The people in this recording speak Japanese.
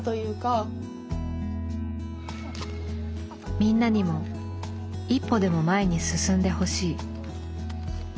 みんなにも一歩でも前に進んでほしい。